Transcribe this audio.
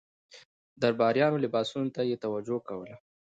درباریانو لباسونو ته یې توجه کوله.